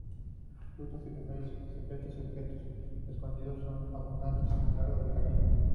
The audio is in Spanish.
Rutas secretas y objetos escondidos son abundantes a lo largo del camino.